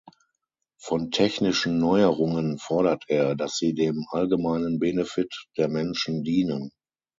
Von technischen Neuerungen fordert er, dass sie dem allgemeinen Benefit der Menschen dienen.